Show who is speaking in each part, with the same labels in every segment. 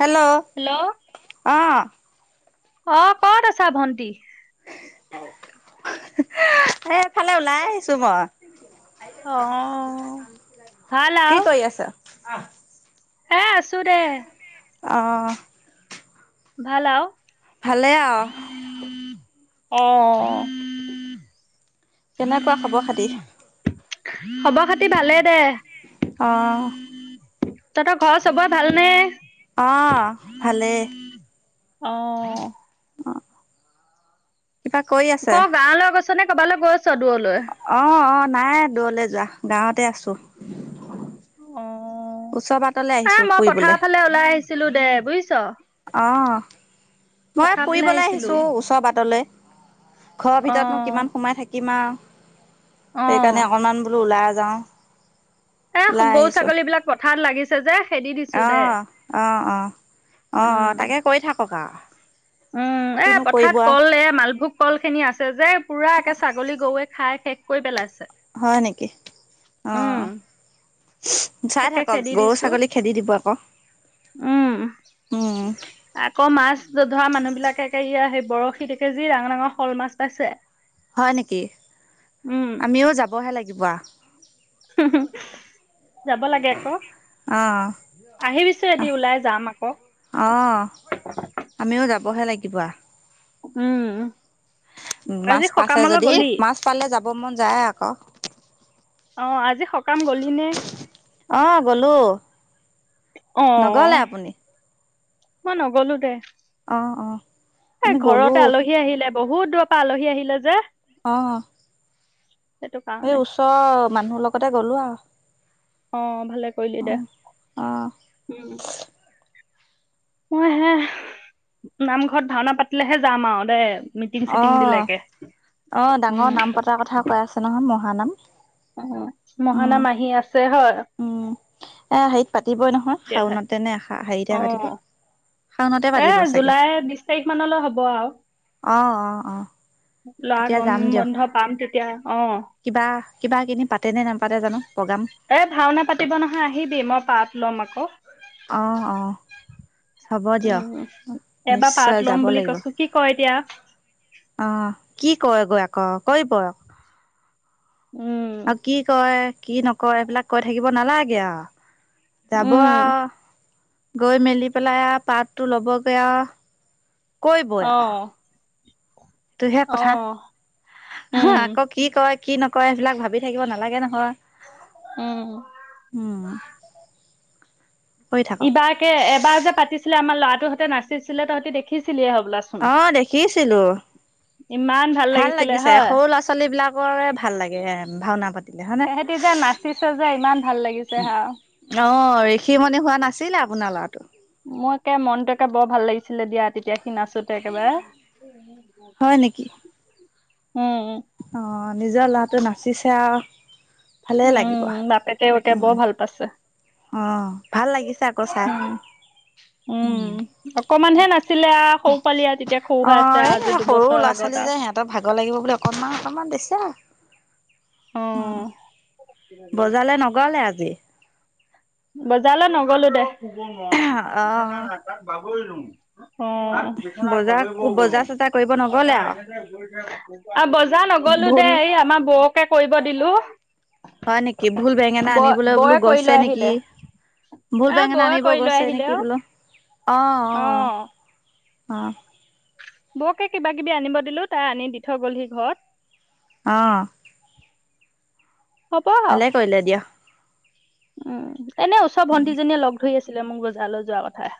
Speaker 1: Hello আহঁ
Speaker 2: অঁ কত আছা ভন্টি।
Speaker 1: এ এফালে ওলাই আহিছো মই।
Speaker 2: অঁ ভাল আৰু
Speaker 1: আহঁ।
Speaker 2: হে আছো দে।
Speaker 1: আহঁ।
Speaker 2: ভাল আৰু।
Speaker 1: ভালে আৰু
Speaker 2: অঁ
Speaker 1: কেনেকুৱা খবৰ খাতি।
Speaker 2: খবৰ খাতি ভালে। দে
Speaker 1: অঁ।
Speaker 2: তহঁতৰ ঘৰত চবৰে ভাল নে?
Speaker 1: আহঁ ভালেই।
Speaker 2: অ
Speaker 1: অ কিবা কৈ আছে
Speaker 2: নে'কবালে গৈছ [unintelligible]
Speaker 1: অ অ নাই দূৰলে যোৱা গাঁৱতে আছো
Speaker 2: অ অ
Speaker 1: ওচৰ বাটলে
Speaker 2: এই
Speaker 1: আহিছো
Speaker 2: মই পথাৰ
Speaker 1: ফুৰিবলে
Speaker 2: ফালে ওলাই আহিছিলো দে বুজিছ
Speaker 1: অঁ মই
Speaker 2: পথাৰ ফালে
Speaker 1: ফুৰিবলৈ
Speaker 2: আহিছিলো
Speaker 1: আহিছো ওচৰ পাটলৈ ঘৰৰ
Speaker 2: অ
Speaker 1: ভিতৰতনো কিমান সোমাই থাকে আ
Speaker 2: অ
Speaker 1: [unintelligible] সেইকাৰণে অকনমান বোলো ওলাই আহো যাওঁ
Speaker 2: এ
Speaker 1: ওলাই
Speaker 2: গৰু
Speaker 1: আহিছো
Speaker 2: ছাগলী বিলাক পথাৰত লাগিছে যে খেদি দিছো
Speaker 1: অ
Speaker 2: দে
Speaker 1: অ অ অ অ
Speaker 2: উম
Speaker 1: তাকে কৈ থাকো থকা [unintelligible]
Speaker 2: উম এ পথাত কল এ মালভোগ কল খিনি আছে যে [unintelligible] পুৰা একে ছাগলী গৰুৱে খায় [unintelligible] শেষ কৰি পেলাইছে
Speaker 1: হয় নেকি অ চাই
Speaker 2: থাকে
Speaker 1: থাকক
Speaker 2: খেদি
Speaker 1: গৰু
Speaker 2: দিছো
Speaker 1: ছাগলী খেদি দিব আকৌ
Speaker 2: উম
Speaker 1: উম,
Speaker 2: আকৌ মাছধোৱা মানুহ [unintelligible] বিলাকে ইয়া সেই বৰশীতে যি ডাঙৰ ডাঙৰ শল মাছ পাইছে [unintelligible]
Speaker 1: হয় নেকি
Speaker 2: উম
Speaker 1: আমিও যাবহে লাগিব বাহ
Speaker 2: যাব লাগে আকৌ
Speaker 1: অ'
Speaker 2: আহিবিছো এটি ওলাই যাম আকৌ [unintelligible]
Speaker 1: পাবহে লাগিবা [unintelligible] [unintelligible]
Speaker 2: উম আজি
Speaker 1: মাছ পাইছে
Speaker 2: সকামলৈ
Speaker 1: যদি
Speaker 2: গলি
Speaker 1: মাছ পালে যাব মন যায় আকৌ
Speaker 2: আহ আজি সকাম গলিনে
Speaker 1: অ' গ'লো
Speaker 2: অ
Speaker 1: নগ'লে
Speaker 2: [unintelligible]
Speaker 1: আপুনি
Speaker 2: মই নগলো দে
Speaker 1: অ' অ'
Speaker 2: এ
Speaker 1: আমি গ'লো
Speaker 2: ঘৰতে আলহী আহিলে বহুত দূৰ পৰা আলহী আহিলে যে
Speaker 1: আহ।
Speaker 2: সেইটো
Speaker 1: এই
Speaker 2: কাৰণে
Speaker 1: ওষ। মানুহৰ লগতে গ'লো আৰু।
Speaker 2: অ। ভালে কৰিলি দে
Speaker 1: অ'
Speaker 2: উম। মই হে, নামঘৰত ভাওনা পাতিলেহে যাম আৰু দেই।
Speaker 1: অ, অ ডাঙৰ
Speaker 2: উম
Speaker 1: নাম পতাৰ কথা কৈ আছে নহয় মোক। ধ ধানাম।
Speaker 2: অ মহানাম আহি আছে হয়।
Speaker 1: উ এ হেৰিত পাতিবই নহয়,
Speaker 2: এতিয়াহে
Speaker 1: শাওনতে নে হেৰিতে
Speaker 2: অ
Speaker 1: পাতিব শাওনতে
Speaker 2: এ
Speaker 1: পাতিব চাগে,
Speaker 2: জুলাই বিশ তাৰিখ মানলৈ হ'ব আৰু
Speaker 1: অ অ অ
Speaker 2: ল'ৰা
Speaker 1: তেতিয়া
Speaker 2: গম
Speaker 1: যাম দিয়ক
Speaker 2: বন্ধ পাম তেতিয়া অ
Speaker 1: কিবা। কিবা কিনি পা। তেনে নাম পাতে জানো প্ৰগ্ৰাম।
Speaker 2: পতিব নহয় আহিবি মই পাত ল'ম আকৌ।
Speaker 1: আহ অ।
Speaker 2: উ এবাৰ
Speaker 1: নিশ্চয়
Speaker 2: পাত
Speaker 1: যাব
Speaker 2: লম বুলি
Speaker 1: লাগিব
Speaker 2: কৈছো কি কয় এতিয়া।
Speaker 1: অঁ কি কয়গৈ আকৌ কৈ।
Speaker 2: উম
Speaker 1: আৰু কি কয়। কি নকৰে এইেইবিলাক কৈ থাকিব নালাগে আৰু। যাব
Speaker 2: উম
Speaker 1: আৰু। গৈ মেলি পেলাই পাতটো ল'বগৈ আৰু। কৈ
Speaker 2: অ
Speaker 1: বয়আও, সেইটোহে
Speaker 2: অ
Speaker 1: কথা। হা
Speaker 2: উম
Speaker 1: আকৌ কি ক। কি নকৰে সেইবিলাক ভাবি থাকিব নালাগে নহয়।
Speaker 2: উম।
Speaker 1: উম কৰি থাকক
Speaker 2: ইবাৰকে এবাৰ যে পাতিছিলে আমাৰ ল'ৰা। তহতে নাচিছিলে তহঁতি দেখিছিলে হ'ব।
Speaker 1: অ দেখিছিলো,
Speaker 2: ইমান
Speaker 1: ভাল
Speaker 2: লাগিছিলে
Speaker 1: লাগিছে
Speaker 2: হয়
Speaker 1: সৰু ল'ৰা ছোৱালী বিলাকৰে ভাল লাগে ভাওনা পাতিলে হয়নে।
Speaker 2: তেহেঁতি যে নাচিছে যে ইমান ভাল লাগিছে হা
Speaker 1: অ ঋষিমণি হোৱা নাছিলে আপোনাৰ ল'ৰাটো।
Speaker 2: মোৰ একে মনতো একে বৰ ভাল লাগিছিলে দিয়া তেতিয়া। সি নাচোতে একেবাৰে।
Speaker 1: হয় নেকি?
Speaker 2: উম
Speaker 1: অ। নিজৰ ল'ৰাটো নাচিছে আৰু। ভালেই লাগিব।
Speaker 2: উম বাপেতে এতিয়া
Speaker 1: উম,
Speaker 2: বৰ ভাল পাইছে।
Speaker 1: অ ভাল লাগিছে আকৌ চাই
Speaker 2: উম
Speaker 1: উ
Speaker 2: উম অকমানহে নাছিলে আৰু সৰু পোৱালি আৰু তেতিয়া সৰু হৈ আছে
Speaker 1: আহ
Speaker 2: আৰু
Speaker 1: এই
Speaker 2: আজি
Speaker 1: সৰু
Speaker 2: দুবছৰৰ
Speaker 1: ল'ৰা
Speaker 2: আগত
Speaker 1: ছোৱালী যে
Speaker 2: আৰু
Speaker 1: সিহঁতৰ ভাগৰ লাগিব বুলি অকনমান অকনমান দিছে। অ বজাৰলৈ নগলে আজি?
Speaker 2: বজাৰলৈ নগলো দে। শুব মন
Speaker 1: অ',
Speaker 2: বিছনাত অলপ বাগৰিলো অ বিছনাত
Speaker 1: বজাৰ
Speaker 2: বাগৰিব
Speaker 1: বজাৰ
Speaker 2: গলো
Speaker 1: চজাৰ কৰিব
Speaker 2: তাৰ
Speaker 1: নগ'লে
Speaker 2: পৰা
Speaker 1: আৰু
Speaker 2: এনেতে গৈছে। বজাৰ নগলো
Speaker 1: ভোল
Speaker 2: দেই আমাৰ বৌকে কৰিব দিলো।
Speaker 1: হয় নেকি ভুল বেঙেনা
Speaker 2: বৌ
Speaker 1: আনিবলৈ বোলো
Speaker 2: বৌয়ে কৰি
Speaker 1: গৈছে
Speaker 2: লৈ আহিলে
Speaker 1: নেকি? ভুল
Speaker 2: এ
Speaker 1: বেঙেনা
Speaker 2: বৌয়ে
Speaker 1: আনিব
Speaker 2: কৰি লৈ
Speaker 1: গৈছে
Speaker 2: আহিলে
Speaker 1: নেকি
Speaker 2: অ
Speaker 1: বোলো অ অ অহ
Speaker 2: বৌকে কিবা কিবি আনিব দিলো তাই আনি দি থৈ গ'লহি ঘৰত।
Speaker 1: অঁ
Speaker 2: হ'ব আৰু
Speaker 1: ভালে কৰিলে দিয়া।
Speaker 2: উম এনে ওচৰ ভন্টিজনীয়ে লগ ধৰি আছিলে মোৰ বজাৰলৈ যোৱা কথা।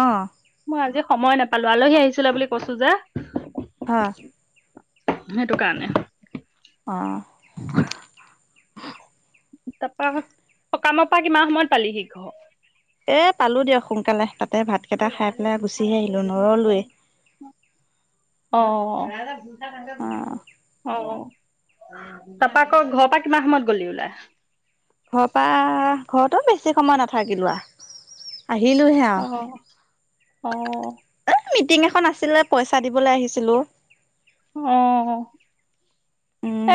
Speaker 1: আহ
Speaker 2: মই আজি সময় নাপালো আলহী আহিছিলে বুলি কৈছো যে।
Speaker 1: হ
Speaker 2: সেইটো কাৰণে।
Speaker 1: অ
Speaker 2: তাৰপৰা হকামৰ পৰা কিমান সময়ত পালি সি ঘৰ।
Speaker 1: এ পালো দিয়ক সোনকালে
Speaker 2: [unintelligible] [inaudible]
Speaker 1: তাত। নৰলোৱেই
Speaker 2: অহ
Speaker 1: অ
Speaker 2: তাৰপা আকৌ ঘৰৰ পৰা কিমান সময়ত গলি ওলাই?
Speaker 1: একদম বেছি সময় নাথাকিলোঁ।
Speaker 2: আহ আহ
Speaker 1: এ মিটিং এখন আছিলে পইচা দিবলৈ আহিছিলো।
Speaker 2: অ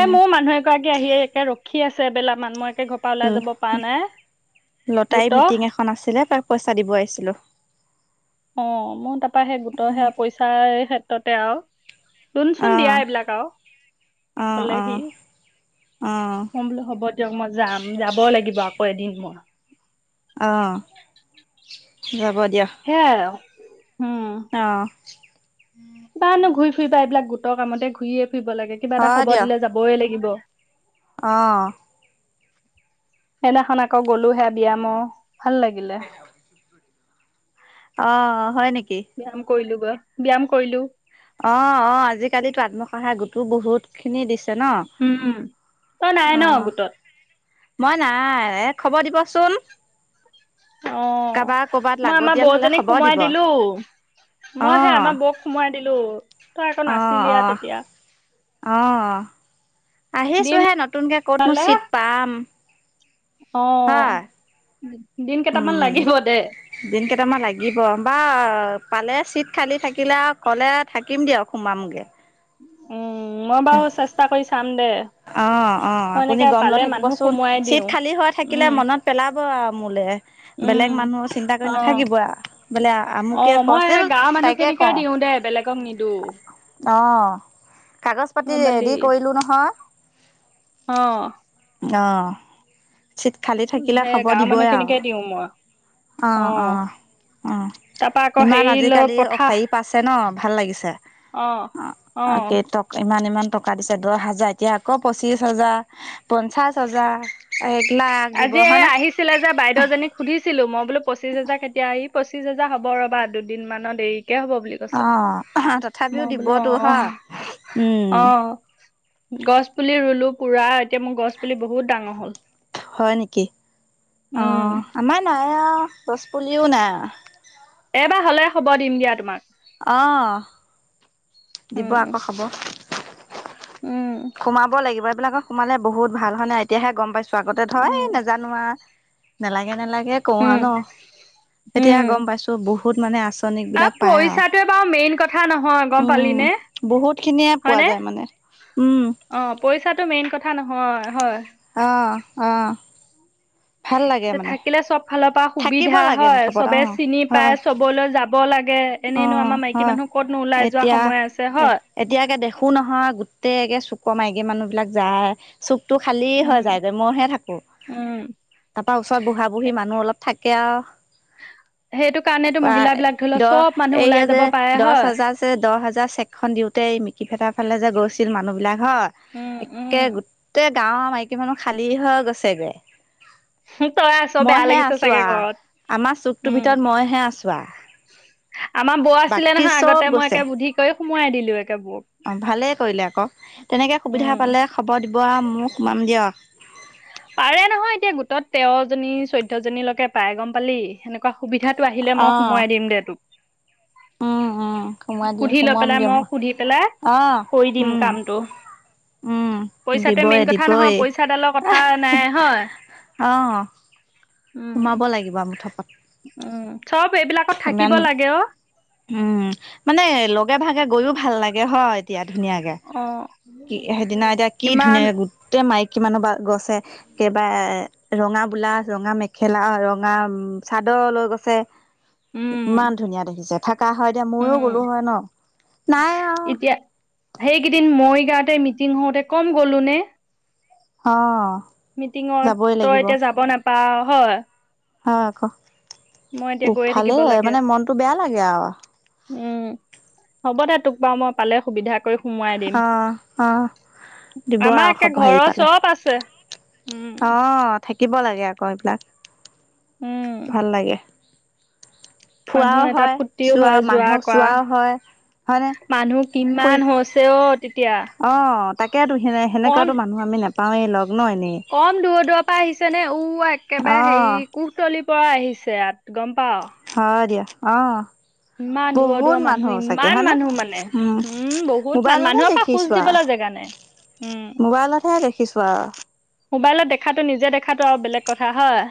Speaker 2: এ মোৰ মানুহ এগৰাকী আহি একে ৰখি কি আছে এবেলগ মানুহৰ মই একে ঘৰ পৰা ওলাই যাব পৰা নাই
Speaker 1: লতাই
Speaker 2: গোটৰ
Speaker 1: মিটিং এখন আছিলে তাক পইচা দিব আহিছিলো।
Speaker 2: অ মোৰ তাৰপৰা সেই গোটৰ সেয়া পইচাৰ ক্ষেত্ৰত। ক্ষেত্ৰতে আৰু
Speaker 1: অ
Speaker 2: লুনচোন দিয়া এইবিলাক আৰু।
Speaker 1: অ অ
Speaker 2: ক'লেহি
Speaker 1: অ
Speaker 2: সোম হ'ব দিয়ক, মই যাম, যাব লাগিব আকৌ এদিন মোৰ।
Speaker 1: অ'! ৰ'ব দিয়া!
Speaker 2: সেয়াই আৰু বা নো ঘূৰি ফুৰিবা এইবিলাক গোটৰ কামতে ঘূৰিয়ে ফুৰিব লাগে। কিবা এটা
Speaker 1: হয়
Speaker 2: খবৰ
Speaker 1: দিয়ক
Speaker 2: দিলে যাবই লাগিব।
Speaker 1: অ'!
Speaker 2: সেইদিনাখন আকৌ গ'লো সেয়া ব্যায়ম ভাল লাগিলে।
Speaker 1: অ'! হয় নেকি?
Speaker 2: ব্যায়াম কৰিলোঁ। ব্যায়াম কৰিলোঁ।
Speaker 1: অ'! অ'! আজিকালি আত্মসহায়ক গোটো বহুত খিনি দিছে। ন
Speaker 2: উম! তই নাই
Speaker 1: অ
Speaker 2: ন' গোটত?
Speaker 1: মই নাই। এ, খবৰ দিবচোন!
Speaker 2: অ'!
Speaker 1: কাৰোবাৰ কৰ'বাত
Speaker 2: মই আমাৰ
Speaker 1: লাগতিয়াল হলে
Speaker 2: বৌজনীক
Speaker 1: খবৰ
Speaker 2: সোমোৱাই
Speaker 1: দিব অ
Speaker 2: দিলো। মই সেই, আমাৰ বৌক সোমাৱাই দিলোঁ। তই আকৌ
Speaker 1: অ
Speaker 2: নাছিলি
Speaker 1: অ
Speaker 2: আৰু তেতিয়া।
Speaker 1: অ'!
Speaker 2: দিন
Speaker 1: আহিছোহে নতুনকে ক'ত নো
Speaker 2: ওলালে
Speaker 1: চিট পাম।
Speaker 2: অ'!
Speaker 1: হয়
Speaker 2: [inaudible] দিন কেইটামান
Speaker 1: উম
Speaker 2: লাগিব দে।
Speaker 1: দিন কেইটামান লাগিব বা পাল। চিট খালি থাকিলে আৰু ক'লে থাকিম দিয়ক সোমামগে।
Speaker 2: উম! মই বাৰু চেষ্টা কৰি চাম দে।
Speaker 1: অ'! অ'!
Speaker 2: মই
Speaker 1: আপুনি
Speaker 2: এনেকে
Speaker 1: গম লৈ
Speaker 2: পালে মানুহ
Speaker 1: থাকিবচোন?
Speaker 2: সোমোৱাই
Speaker 1: চিট
Speaker 2: দিওঁ
Speaker 1: খালী হয় থাকিলে
Speaker 2: উম
Speaker 1: মনত পেলাম। থাকিব আও মোলে। বেলেগ
Speaker 2: উম
Speaker 1: মানুহ চিন্তা কৰি
Speaker 2: অ
Speaker 1: নাথাকিব আও বোলে
Speaker 2: অ
Speaker 1: আমুকিয়ে
Speaker 2: মই
Speaker 1: কৈছিল
Speaker 2: এই গাঁৱৰ
Speaker 1: তাইকে
Speaker 2: মানুহখিনিকে
Speaker 1: কওঁ।
Speaker 2: দিওঁ দে বেলেগক নিদো
Speaker 1: অ'! কাগজ পাতি
Speaker 2: গম পালি
Speaker 1: ৰেডি কৰিলোঁ নহয়।
Speaker 2: অ'!
Speaker 1: অ'! চিট খালি থাকিলে
Speaker 2: সেই
Speaker 1: খবৰ
Speaker 2: গাঁৱৰ
Speaker 1: দিবই আও।
Speaker 2: মানুহখিনিকে দিওঁ মই
Speaker 1: অ'! অ'! অ'!
Speaker 2: তাৰপা আকৌ
Speaker 1: ইমান
Speaker 2: হেৰি লৈ
Speaker 1: আজিকালি
Speaker 2: পঠা
Speaker 1: হেৰি পাইছে ন' ভাল লাগিছে!
Speaker 2: অ
Speaker 1: অ'! কেইটক ইমান, ইমান টকা দিছে দহ হাজাৰ। এতিয়া আকৌ, পঁচিছ হাজাৰ, পঞ্চাশ হাজাৰ। এক লাখ দিব
Speaker 2: আজি এই
Speaker 1: হয়নে
Speaker 2: আহিছিলে যে বাইদেউজনানীক সুধিছিলো মই বোলো, পঁচিছ হাজাৰ কেতিয়া আহি পঁচিছ হোজাৰ হ'ব ৰ'বা দুদিনমানৰ দেৰি। কেয়া হব বুলি কৈছে,
Speaker 1: অ তথাপিও
Speaker 2: মই বোলো
Speaker 1: দিবতো
Speaker 2: অ
Speaker 1: হয় উম
Speaker 2: অ গছ পুলি ৰুলো। পুৰা এতিয়া মোৰ গছ পুলি বহুত ডাঙৰ হ'ল।
Speaker 1: হয় নেকি, অ
Speaker 2: উম
Speaker 1: আমাৰ নাই! হেও গছপুলিও নাই।
Speaker 2: এইবাৰ হলে খবৰ দিম দিয়া তোমাক।
Speaker 1: অহ। দিব
Speaker 2: উম
Speaker 1: আকৌ খাব,
Speaker 2: উম
Speaker 1: সোমাব লাগিব সেই বিলাকত সোমাল বহুত ভাল হয়নে এতিয়াহে গম পাইছো, স্বাগতে ধৰ এই
Speaker 2: উম
Speaker 1: নাজানোৱা [unintelligible] নালাগে নালাগে। এই কৰোঁ আৰু ন
Speaker 2: উম
Speaker 1: এতিয়া
Speaker 2: উম
Speaker 1: গম পাইছো বহুত মানে আচনিক
Speaker 2: আৰু
Speaker 1: বিলাক পায় আও,
Speaker 2: পইচাটোৱে বাৰু মেইন কথা নহয় গম
Speaker 1: উম
Speaker 2: পালিনে
Speaker 1: বহুত খিনিয়ে পোৱা
Speaker 2: হয়নে
Speaker 1: যায় মানে। উম
Speaker 2: অ পইচাটো মেইন কথা কথা নহয় হয়।
Speaker 1: অহ অহ।
Speaker 2: থাকিলে চব ফালৰ পৰা,
Speaker 1: থাকিব
Speaker 2: সুবিধা
Speaker 1: লাগে
Speaker 2: হয়
Speaker 1: মুঠপত অ
Speaker 2: চবে চিনি
Speaker 1: হয়
Speaker 2: পাই চবলৈ যাব লাগে।
Speaker 1: অ
Speaker 2: এনেইনো আমাৰ মাইকী
Speaker 1: হয়,
Speaker 2: মানুহ ক'তনো ওলাই যোৱা
Speaker 1: এতিয়া
Speaker 2: সময় আছে
Speaker 1: এ
Speaker 2: হয়
Speaker 1: এতিয়াকে দেখো নহয় গোটেই চু [unintelligible] ক মাইকী মানুহ বিলাক যায় চুপ টো খালী হয়
Speaker 2: উম
Speaker 1: যায়গৈ, মইহে থাকো
Speaker 2: উম
Speaker 1: তাপা ওচৰত বুঢ়া বুঢ়ী মানুহ অলপ থাকে আও
Speaker 2: সেইটো কাৰণেতো মহিলা বিলাক ধৰি লও চব, মানুহ
Speaker 1: এই
Speaker 2: ওলাই
Speaker 1: ইয়া যে
Speaker 2: যাব পাৰে
Speaker 1: দহ
Speaker 2: হয়
Speaker 1: হাজাৰছে যে, দহ হাজাৰ চেক খন দিওঁতে এই মিকি ফেটা ফালে যে গৈছিল মানুহবিলাক! হয়
Speaker 2: উম
Speaker 1: একে
Speaker 2: উম
Speaker 1: গোটেই, গাঁৱৰ মাইকী মানুহ খালী হৈ গৈছেগে।
Speaker 2: তই আছ বেয়া
Speaker 1: মইহে
Speaker 2: লাগিছে চাগে
Speaker 1: আছোৱা,
Speaker 2: ঘৰত
Speaker 1: আমাৰ চুকটোৰ
Speaker 2: উম
Speaker 1: ভিতৰত মইহে আছোোৱা।
Speaker 2: আমাৰ বৌ আছিলে
Speaker 1: বাকী
Speaker 2: নহয়
Speaker 1: চব
Speaker 2: আগতে মই
Speaker 1: গৈছে,
Speaker 2: একে বুদ্ধি কৰি সোমোৱাই দিলো একে বৌক
Speaker 1: অ ভালেই কৰিলে আকৌ, তেনেকে সুবিধা
Speaker 2: উম
Speaker 1: পালে খবৰ দিব। ওবা মোক মাম দিয়ক,
Speaker 2: পাৰে নহয়, এতিয়া গোটত তেৰ জনী চৈধ্য জনীলৈকে পাই গম পালি সেনেকুৱা। [unintelligible] সুবিধাটো আহিলে মই সোমোৱাই দিম দে তোক।
Speaker 1: অ অ।
Speaker 2: সুধি লৈ পেলাই, মই সুধি পেলাই
Speaker 1: অ
Speaker 2: কৰি দিম
Speaker 1: উম
Speaker 2: কামটো।
Speaker 1: উম
Speaker 2: পইচাটো মেইন
Speaker 1: দিবয়ে
Speaker 2: কথা নহয়,
Speaker 1: দিবয়ে
Speaker 2: পইচাডালৰ কথা নাই হয়।
Speaker 1: অ
Speaker 2: উম
Speaker 1: সোমাব লাগিব মুঠপাত
Speaker 2: উম চব এইবিলাকত থাকিব লাগে অ।
Speaker 1: উম। মানে লগে ভাগে গৈও ভাল লা গে হয় এতিয়া। ধুনীয়াকে,
Speaker 2: অ
Speaker 1: কি সেইদিনা এতিয়া কি
Speaker 2: ইমান
Speaker 1: ধুনীয়াকে গোটেই মাই কিমান বা গছ ছে কেইবা এ ৰঙা বোলাছ, ৰঙা মেখেলা, ৰঙা উম চাদৰ লৈ গৈছে।
Speaker 2: উম
Speaker 1: ইমান ধুনীয়া দেখিছে। কা হয় এ দিয়া ময়ো
Speaker 2: উম
Speaker 1: গলো হয় ন, নাই আৱ।
Speaker 2: গাতে মিটিং হওঁতে কম গলো নে?
Speaker 1: অ।
Speaker 2: মিটিঙত
Speaker 1: যাবই
Speaker 2: তই এতিয়া যাব নাপাও। হয়।
Speaker 1: অ ক?
Speaker 2: মই এতিয়া গৈয়ে থাকিব লাগে,
Speaker 1: বেয়া লাগে আৰু
Speaker 2: উম হ'ব দে তোক বা মই পালে সুবিধা কৰি সোমোৱাই দিম
Speaker 1: অ, অ দিব
Speaker 2: আমাৰ
Speaker 1: আৰু
Speaker 2: একে
Speaker 1: খব
Speaker 2: ঘৰৰ
Speaker 1: হেৰি পালে
Speaker 2: চব আছে উম
Speaker 1: অ থা কিব লাগে আকৌ এইবিলাক।
Speaker 2: উম
Speaker 1: ভাল লাগে। ফুৰাও
Speaker 2: মানুহ এটা
Speaker 1: হয়
Speaker 2: ফুৰ্তিও
Speaker 1: চোৱা
Speaker 2: হয় যোৱা
Speaker 1: মানুহক
Speaker 2: কোৱা,
Speaker 1: চোৱাও হয় হয়নে
Speaker 2: মানুহ
Speaker 1: ফুৰি
Speaker 2: কিমান হৈছে অ। তেতিয়া
Speaker 1: অ তাকেটো সে
Speaker 2: কম
Speaker 1: সেনেকুৱাতো মানুহ আমি নোপাৱেই লগ ন এনে।
Speaker 2: কম দূৰৰ দূৰৰ পৰা আহিছে নে উ একেবাৰে হেৰি কুকতলিৰ পৰা আহিছ ছেয়াত গম পাও
Speaker 1: হ দিয়া। অ।
Speaker 2: ইমান দূৰৰ
Speaker 1: বহুত
Speaker 2: দূৰৰ মানুহ,
Speaker 1: চাগে
Speaker 2: ইমান
Speaker 1: হয়নে
Speaker 2: মানুহ মানে, উম বহুত মানুহ
Speaker 1: মোবাইলতহে
Speaker 2: মানুহৰ পৰা খোজ
Speaker 1: দেখিছো আৰু
Speaker 2: দিবলৈ জেগা নাই। উম!
Speaker 1: মোবাইলতহে দেখিছো আৰু
Speaker 2: মোবাইলত দেখাতটো, নিজে দেখাতটো আৰু বেলেগ কথা হয়।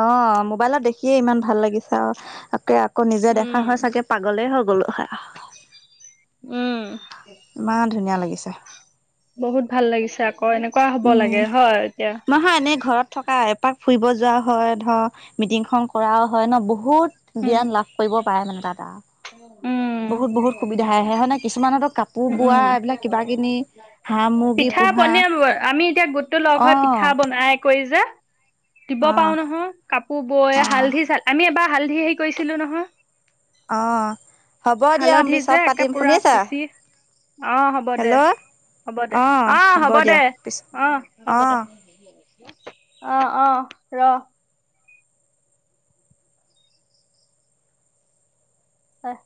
Speaker 1: অ' মোবাইলত দেখিয়ে ইমান ভাল লাগিছে আৰু। তাকে আকৌ নিজে
Speaker 2: উম,
Speaker 1: দেখা হয় চাগে, পাগলেই হওঁক। বোলোঁ হয়।
Speaker 2: উম!
Speaker 1: ইমান ধুনীয়া লাগিছে।
Speaker 2: বহুত ভাল লাগিছে আকৌ এনেকুৱা হ'ব
Speaker 1: উম
Speaker 2: লাগে হয় এতিয়া।
Speaker 1: নহয় এনেই ঘৰত থকা এপাক ফুৰিব যোৱাও হয়, ধৰ মিটিং খন কৰাও হয় ন, বহুত।
Speaker 2: উম,
Speaker 1: জ্ঞান লাভ কৰিব পাৰে মানে তাত আৰু।
Speaker 2: উম!
Speaker 1: বহুত -বহুত সুবিধা আহে, আহে হয়নে? কিছুমানতো কাপোৰ
Speaker 2: উম,
Speaker 1: বোৱা, এইবিলাক কিবা কিনি হাঁহ মুৰ্গী
Speaker 2: পিঠা
Speaker 1: পোহা
Speaker 2: পনীয়া আমি এতিয়া গোটটো লগ হৈ
Speaker 1: আহ
Speaker 2: পিঠা বনাই কৰি যে দিব পাৰো নহয়, কাপোৰ বৈ
Speaker 1: অ
Speaker 2: হালধি চাল, ‌ আমি এবাৰ হালধি হেৰি কৰিছিলোঁ নহয়।
Speaker 1: অ হ'ব দিয়া
Speaker 2: হালধি যে,
Speaker 1: পিছত
Speaker 2: একে
Speaker 1: পাতিম
Speaker 2: পুৰা
Speaker 1: শুনিছা
Speaker 2: পিচি, অ' হ'ব দে,
Speaker 1: হেল্ল'
Speaker 2: হ'ব দে, অ' হ'ব দে, অ হ'ব
Speaker 1: অ
Speaker 2: দে। অ! অ! ৰ। হয়।